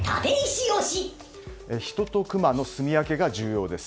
ヒトとクマのすみ分けが重要です。